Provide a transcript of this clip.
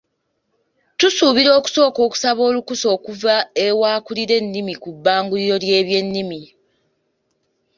Tusuubira okusooka okusaba olukusa okuva ew'akulira ennimi ku bbanguliro ly'ebyennimi.